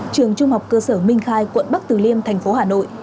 trường trung học cơ sở minh khai quận bắc từ liêm thành phố hà nội